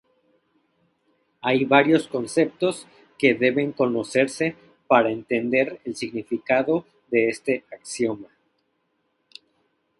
Hay varios conceptos que deben conocerse para entender el significado de este axioma.